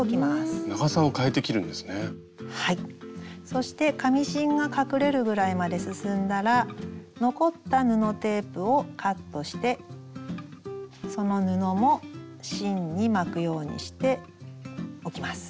そして紙芯が隠れるぐらいまで進んだら残った布テープをカットしてその布も芯に巻くようにしておきます。